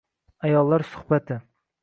Ayollar suhbati